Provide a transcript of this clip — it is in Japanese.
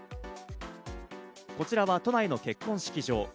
こちらは都内の結婚式場。